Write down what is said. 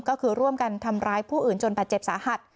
ก็คือร่วมกันทำร้ายผู้อื่นจนบาดเจ็บสาหัส